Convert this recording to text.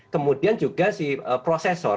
kemudian juga si prosesor